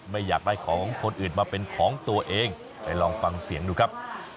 ไม่อยากได้ของคนอื่นมาเป็นของตัวเองไปลองฟังเสียงดูครับ